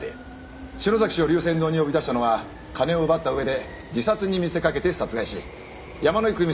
篠崎氏を龍泉洞に呼び出したのは金を奪ったうえで自殺に見せかけて殺害し山井久美